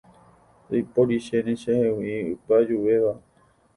Ndaiporichéne chehegui ipy'ajuvéva.